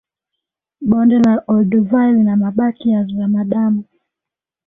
bonde la olduvai lina mabaki ya zamadamu